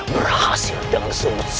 berhasil dengan seumur